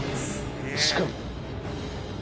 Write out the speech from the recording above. しかも。